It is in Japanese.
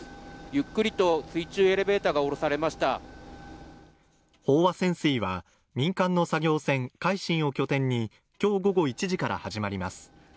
ゆっくりと水中エレベーターが下ろされました飽和潜水は民間の作業船「海進」を拠点に今日午後１時から始まります